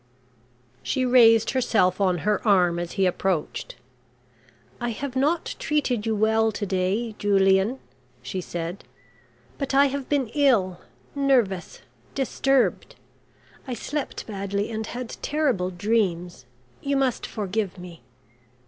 She raised herself on her arm as he approached. "I have not treated you well to day, Julian," she said. "But I have been ill nervous disturbed. I slept badly, and had terrible dreams. You must forgive me."